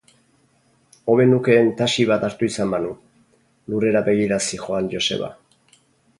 Hobe nukeen taxi bat hartu izan banu... lurrera begira zihoan Joseba.